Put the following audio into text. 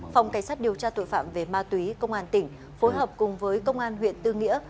phòng cảnh sát điều tra tội phạm về ma túy công an tỉnh phối hợp cùng với công an huyện tư nghĩa